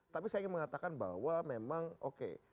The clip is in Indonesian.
tapi saya ingin mengatakan bahwa memang oke